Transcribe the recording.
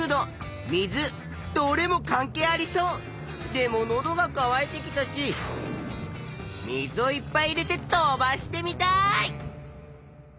でものどがかわいてきたし水をいっぱい入れて飛ばしてみたい！